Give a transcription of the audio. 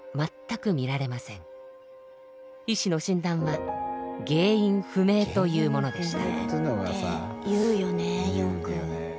医師の診断は原因不明というものでした。